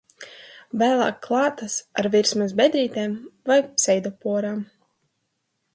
Vēlāk klātas ar virsmas bedrītēm vai pseidoporām.